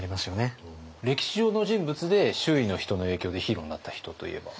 歴史上の人物で周囲の人の影響でヒーローになった人といえば？